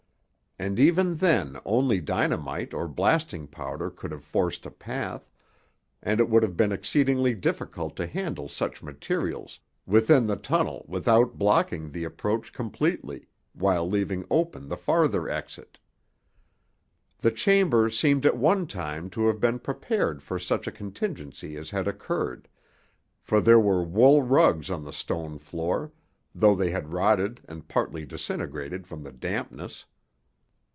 And even then only dynamite or blasting powder could have forced a path, and it would have been exceedingly difficult to handle such materials within the tunnel without blocking the approach completely, while leaving open the farther exit. The chamber seemed at one time to have been prepared for such a contingency as had occurred, for there were wool rugs on the stone floor, though they had rotted and partly disintegrated from the dampness.